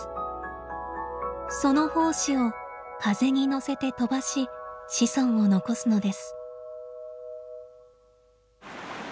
その胞子を風に乗せて飛ばし子孫を残すのです。